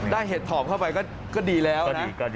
ได้เห็ดถอมเข้าไปก็ดีแล้วนะ